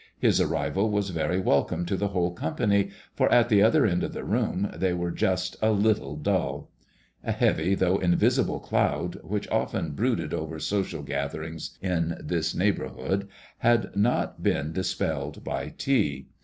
His arrival was very welcome to the whole company, for at the other end of the room they were just a little dull. A heavy though invisible cloud, which often brooded over social gatherings in this neighbourhood, had not MAOBMOISELLB IXB. 5 1 been dispelled by tea.